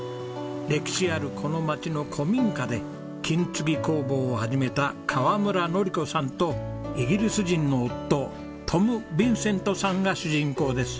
歴史あるこの町の古民家で金継ぎ工房を始めた川村のり子さんとイギリス人の夫トムヴィンセントさんが主人公です。